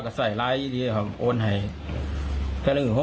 กลายทางหนีก็ให้เขากัน